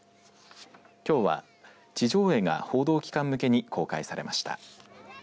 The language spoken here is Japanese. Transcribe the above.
きょうは地上絵が報道機関向けに公開されました。